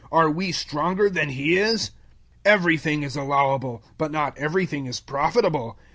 Are we stronger than He is? 010:023 Everything is allowable, but not everything is profitable.